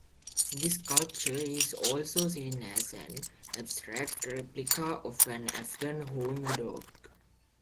This sculpture is also seen as an abstract replica of an Afghan Hound dog.